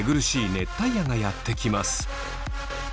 熱帯夜がやってきます